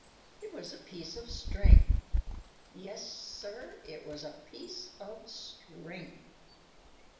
It was a piece of string. Yes, Sir, it was a piece of string.